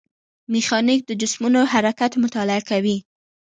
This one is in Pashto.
میخانیک د جسمونو حرکت مطالعه کوي.